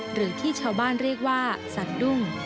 หรือที่ชาวบ้านเรียกว่าสันดุ้ง